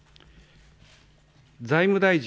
財務大臣、